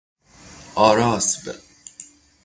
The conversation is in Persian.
اراسب